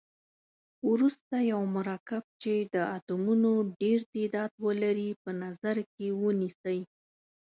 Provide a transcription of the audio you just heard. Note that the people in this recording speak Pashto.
وروسته یو مرکب چې د اتومونو ډیر تعداد ولري په نظر کې ونیسئ.